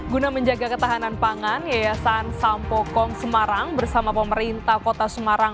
guna menjaga ketahanan pangan yayasan sampokong semarang bersama pemerintah kota semarang